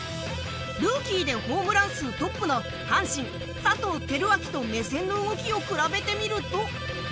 ルーキーでホームラン数トップの阪神・佐藤輝明と目線の動きを比べてみると。